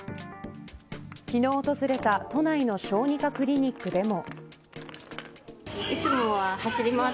昨日訪れた都内の小児科クリニックでも。